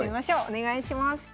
お願いします。